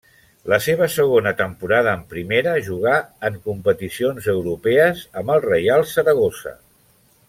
La seva segona temporada en Primera, jugà en competicions europees amb el Reial Saragossa.